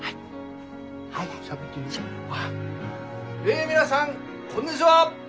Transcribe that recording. え皆さんこんにぢは！